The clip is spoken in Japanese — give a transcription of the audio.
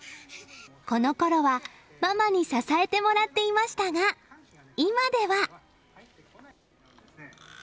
このころはママに支えてもらっていましたが今では。